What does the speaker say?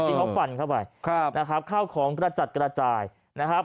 ที่เขาฟันเข้าไปครับนะครับข้าวของกระจัดกระจายนะครับ